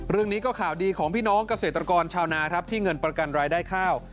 เรื่องนี้ก็ข่าวดีของพี่น้องเกษตรกรชาวนาครับที่เงินประกันรายได้ข้าว